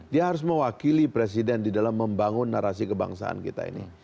dia harus mewakili presiden di dalam membangun narasi kebangsaan kita ini